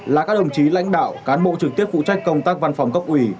là các đồng chí lãnh đạo cán bộ trực tiếp phụ trách công tác văn phòng cấp ủy